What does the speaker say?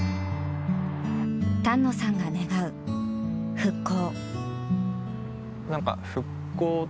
丹野さんが願う復興。